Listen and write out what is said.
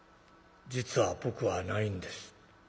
「『実は僕はないんです』。